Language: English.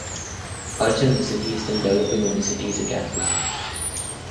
Culture in the city is still developing when the city is a capital city.